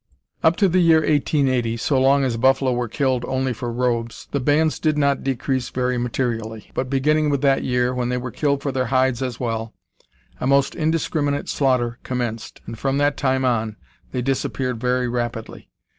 "Up to the year 1880, so long as buffalo were killed only for robes, the bands did not decrease very materially; but beginning with that year, when they were killed for their hides as well, a most indiscriminate slaughter commenced, and from that time on they disappeared very rapidly.